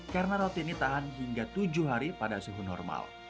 karena roti ini tahan hingga tujuh hari pada suhu normal